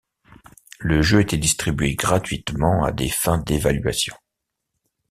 Le jeu était distribué gratuitement à des fins d'évaluation.